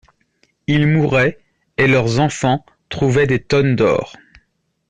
Ils mouraient, et leurs enfants trouvaient des tonnes d'or.